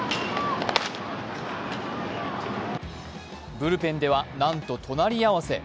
ブルペンではなんと隣り合わせ。